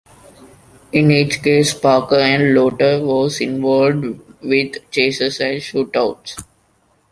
In each case, Parker and Lauter were involved with chases and shoot-outs.